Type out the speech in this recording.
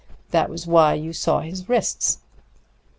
That was why you saw his wrists."